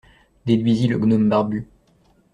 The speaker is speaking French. Déduisit le gnome barbu.